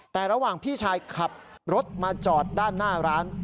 แต่ระหว่างพี่ชายขับรถมาจอดด้านหน้าร้าน